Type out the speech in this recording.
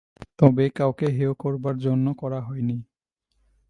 তবে কাউকে হেয় করবার জন্যে করা হয় নি।